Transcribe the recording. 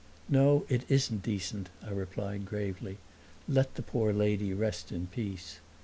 "No, it isn't decent," I replied gravely. "Let the poor lady rest in peace."